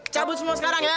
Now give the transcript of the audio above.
cabut semua sekarang ya